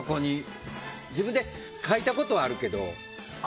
自分で書いたことはあるけど。